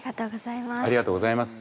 ありがとうございます。